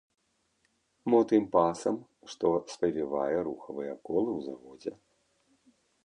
Мо тым пасам, што спавівае рухавыя колы ў заводзе?